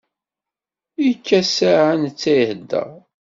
Yekka ssaɛa netta ihedder.